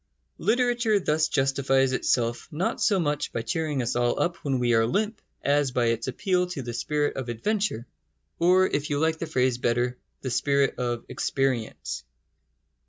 Literature thus justifies itself not so much by cheering us all up when we are limp as by its appeal to the spirit of adventure, or, if you like the phrase better, the spirit of experience.